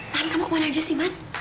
man kamu kemana aja sih man